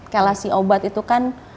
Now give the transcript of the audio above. kelasi obat itu kan